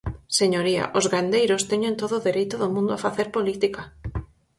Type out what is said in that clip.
Señoría, os gandeiros teñen todo o dereito do mundo a facer política.